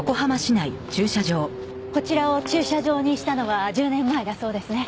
こちらを駐車場にしたのは１０年前だそうですね。